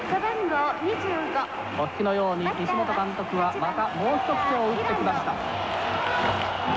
お聞きのように西本監督はまたもう一つを打ってきました。